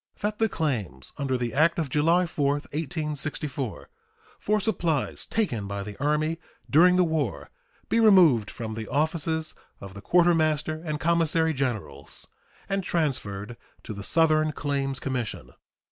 That the claims under the act of July 4, 1864, for supplies taken by the Army during the war be removed from the offices of the Quartermaster and Commissary Generals and transferred to the Southern Claims Commission.